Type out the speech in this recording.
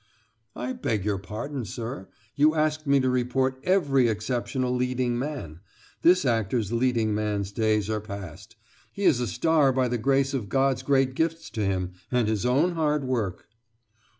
"I beg your pardon, sir. You asked me to report every exceptional leading man. This actor's leading man's days are past. He is a star by the grace of God's great gifts to him, and his own hard work."